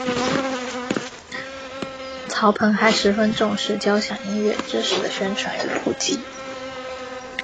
曹鹏还十分重视交响音乐知识的宣传与普及。